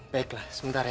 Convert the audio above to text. baiklah sebentar ya